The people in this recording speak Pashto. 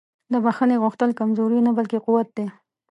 د بښنې غوښتل کمزوري نه بلکې قوت دی.